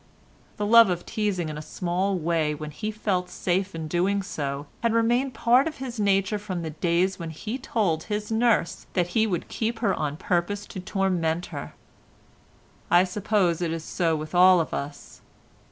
The love of teasing in a small way when he felt safe in doing so had remained part of his nature from the days when he told his nurse that he would keep her on purpose to torment her. I suppose it is so with all of us.